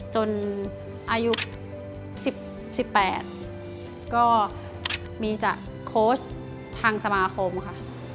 จนอายุ๑๘ก็มีจากโค้ชทางสมาคมค่ะ